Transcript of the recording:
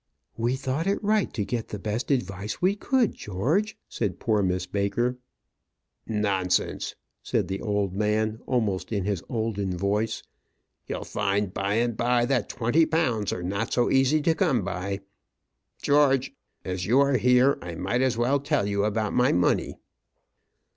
"We thought it right to get the best advice we could, George," said poor Miss Baker. "Nonsense!" said the old man, almost in his olden voice. "You'll find by and by that twenty pounds are not so easy to come by. George, as you are here, I might as well tell you about my money."